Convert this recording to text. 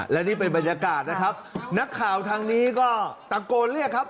และนี่เป็นบรรยากาศนะครับนักข่าวทางนี้ก็ตะโกนเรียกครับ